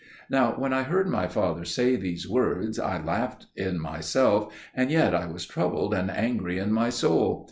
Now when I heard my father say these words, I laughed in myself, and yet I was troubled and angry in my soul.